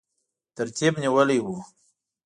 ترتیب نیولی وو.